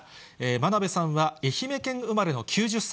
真鍋さんは愛媛県生まれの９０歳。